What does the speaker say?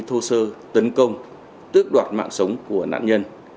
thô sơ tấn công tước đoạt mạng sống của nạn nhân